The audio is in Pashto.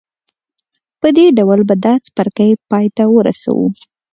په دې ډول به دا څپرکی پای ته ورسوو